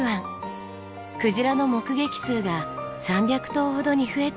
クジラの目撃数が３００頭ほどに増えています。